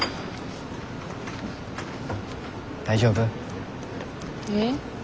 大丈夫？え？